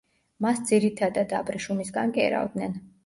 მას ძირითადად აბრეშუმისგან კერავდნენ.